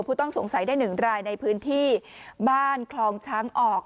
ผู้ต้องสงสัยได้๑รายในพื้นที่บ้านคลองช้างออก